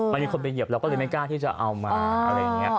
มันมีคนไปเหยียบเราก็เลยไม่กล้าที่จะเอามา